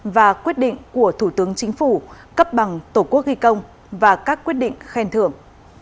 và quyết định của thủ tướng chính phủ cấp bằng tổ quốc ghi công và các quyết định khen thưởng